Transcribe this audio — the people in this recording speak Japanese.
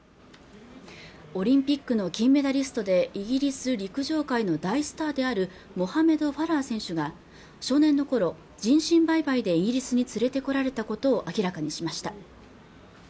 オリンピックの金メダリストでイギリス陸上界の大スターであるモハメド・ファラー選手が少年の頃人身売買でイギリスに連れてこられたことを明らかにしました